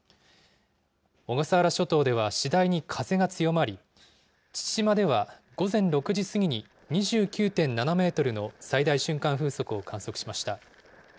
小笠原諸島では次第に風が強まり、父島では午前６時過ぎに２９．７メートルの最大瞬間風速を観測しました。